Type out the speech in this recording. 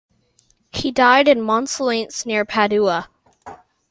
He died in Monselice near Padua.